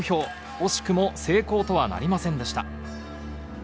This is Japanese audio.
惜しくも成功とはなりませんでした。